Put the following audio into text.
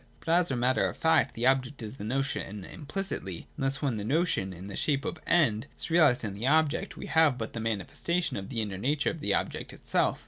But, as a matter of fact, the object is the notion implicitly : and thus when the notion, in the shape of End, is realised in the object, we have but the manifestation of the inner nature of the object itself.